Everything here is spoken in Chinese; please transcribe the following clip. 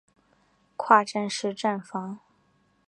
跨站式站房。